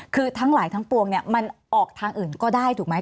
คือทั้งหลายทั้งปวงเนี่ยมันออกทางอื่นก็ได้ถูกไหม